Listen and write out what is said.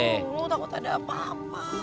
dulu takut ada apa apa